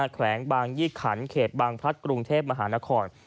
แขวงบางยี่ขันเขตบางพลัดกรุงเทพมหานคร